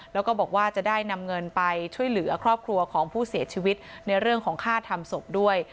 แล้วก็บอกว่าจะได้นำเงินไปช่วยเหลือครอบครัวของผู้เสียชีวิตในเรื่องของค่าทำศพด้วย